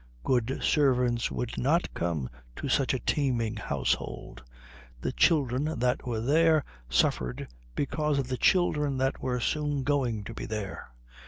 Good servants would not come to such a teeming household. The children that were there suffered because of the children that were soon going to be there.